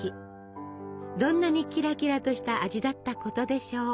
どんなにキラキラとした味だったことでしょう！